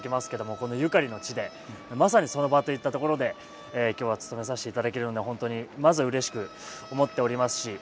このゆかりの地でまさにその場といった所で今日はつとめさせていただけるので本当にまずうれしく思っておりますし。